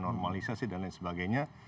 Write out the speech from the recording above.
normalisasi dan lain sebagainya